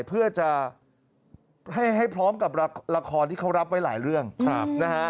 เพื่อจะให้พร้อมกับละครที่เขารับไว้หลายเรื่องนะฮะ